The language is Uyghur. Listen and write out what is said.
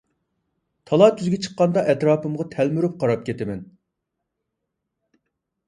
تالا-تۈزگە چىققاندا ئەتراپىمغا تەلمۈرۈپ قاراپ كېتىمەن.